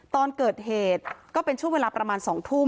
ตอนเกิดเหตุก็เป็นช่วงเวลาประมาณ๒ทุ่ม